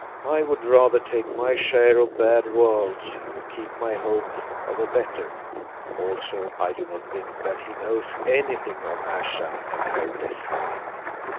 I would rather take my share of a bad world and keep my hope of a better. Also I do not think that he knows anything of Ayesha and her destiny."